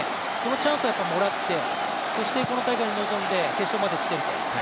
チャンスはもらって、そしてこの大会に臨んで、決勝まで来ている。